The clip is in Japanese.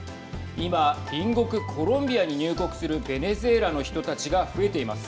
今、隣国コロンビアに入国するベネズエラの人たちが増えています。